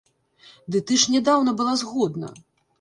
Ды ты ж нядаўна была згодна.